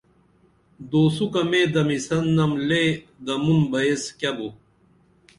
دوسُوکہ مے دمِسن نم لے دمُن بہ ایس کیہ بو